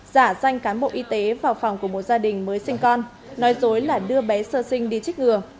giả danh cán bộ y tế vào phòng của một gia đình mới sinh con nói dối là đưa bé sơ sinh đi trích ngừa